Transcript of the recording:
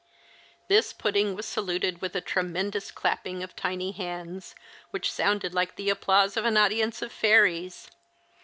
This pudding was saluted with a tremendous clapping of tiny hands, which sounded like the applause of an audience of fairies.